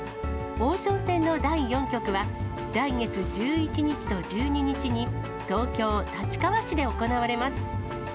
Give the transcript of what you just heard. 王将戦の第４局は、来月１１日と１２日に、東京・立川市で行われます。